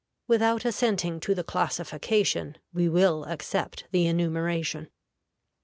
Without assenting to the classification, we will accept the enumeration.